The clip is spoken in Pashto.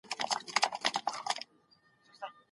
کار به دي ښه وي .